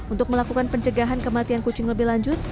untuk melakukan pencegahan kematian kucing lebih lanjut